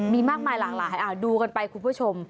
มีมากมายหลากหลายดูกันไปคุณผู้ชม